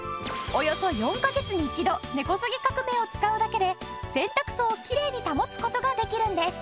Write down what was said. およそ４カ月に１度根こそぎ革命を使うだけで洗濯槽をきれいに保つ事ができるんです。